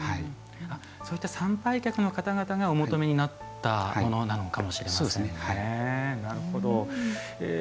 そういった参拝客の方々がお求めになったものなのかもしれませんね。